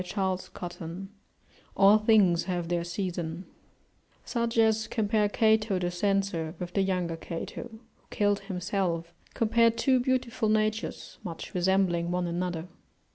CHAPTER XXVIII ALL THINGS HAVE THEIR SEASON Such as compare Cato the Censor with the younger Cato, who killed himself, compare two beautiful natures, much resembling one another.